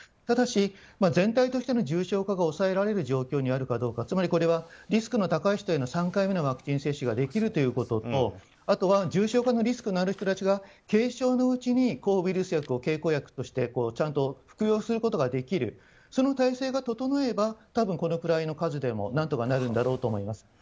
ただし、全体としての重症化が抑えられる状況にあるかどうかつまり、リスクの高い人への３回目のワクチン接種ができるということと、あとは重症化のリスクがある人たちが軽症のうちに抗ウイルス薬を経口薬としてちゃんと服用することができるその体制が整えば多分、このくらいの数でも何とかなるだろうと思います。